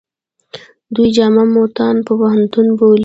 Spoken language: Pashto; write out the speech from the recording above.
دوی جامعه موته پوهنتون بولي.